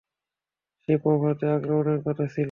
যে প্রভাতে আক্রমণের কথা ছিল।